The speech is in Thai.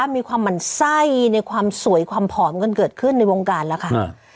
มีความหมั่นไส้ในความสวยความผอมกันเกิดขึ้นในวงการแล้วค่ะ